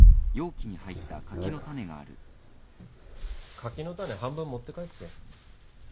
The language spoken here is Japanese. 柿の種半分持って帰って。